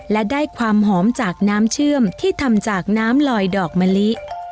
และได้ความหอมจากน้ำเชื่อมที่ทำจากน้ำลอยดอกมะลิ